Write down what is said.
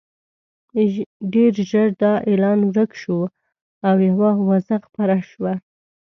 ډېر ژر دا اعلان ورک شو او یوه اوازه خپره شوه.